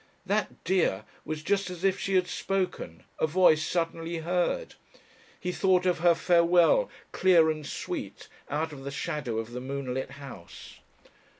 That "dear" was just as if she had spoken a voice suddenly heard. He thought of her farewell, clear and sweet, out of the shadow of the moonlit house.